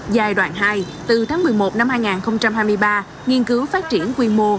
giai đoạn hai từ tháng một mươi một năm hai nghìn hai mươi ba nghiên cứu phát triển quy mô